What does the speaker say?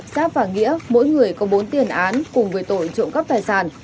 giáp và nghĩa mỗi người có bốn tiền án cùng với tội trộm cắp tài sản